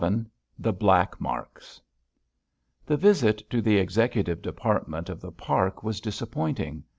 VII THE BLACK MARKS The visit to the executive department of the park was disappointing.